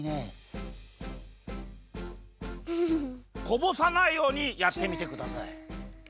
こぼさないようにやってみてください。